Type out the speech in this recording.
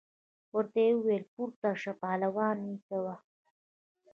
ورته وویل پورته شه پهلواني کوه.